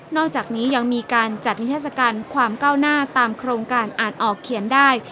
อกจากนี้ยังมีการจัดนิทัศกาลความก้าวหน้าตามโครงการอาจออกเขียนได้